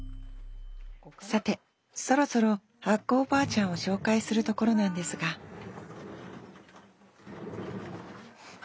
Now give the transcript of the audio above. さてそろそろ発酵おばあちゃんを紹介するところなんですがうわ！